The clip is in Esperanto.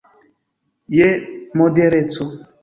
Je modereco.